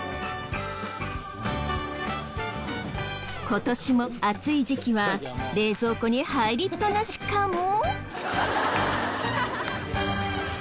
今年も暑い時期は冷蔵庫に入りっぱなしかも？